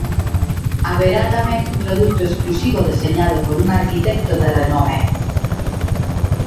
Haberá tamén un produto exclusivo deseñado por un arquitecto de renome.